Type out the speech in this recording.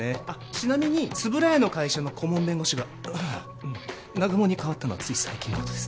ちなみに円谷の会社の顧問弁護士が南雲にかわったのはつい最近のことです